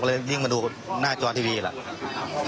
เลยวิ่งมาดูหน้าจอทีวีแหละ